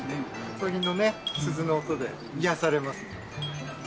風鈴の鈴の音で癒されますね。